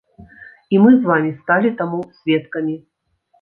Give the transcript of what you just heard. І мы з вамі сталі таму сведкамі.